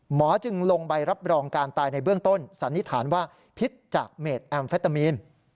จึงลงใบรับรองการตายในเบื้องต้นสันนิษฐานว่าพิษจากเมดแอมเฟตามีน